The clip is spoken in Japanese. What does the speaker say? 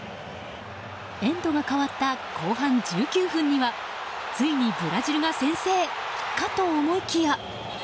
エンドが変わった後半１９分にはついにブラジルが先制かと思いきや。